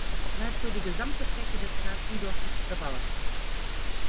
Nahezu die gesamte Fläche des Partidos ist bebaut.